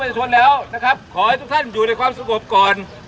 จะทนแล้วนะครับขอให้ทุกท่านอยู่ในความสงบก่อน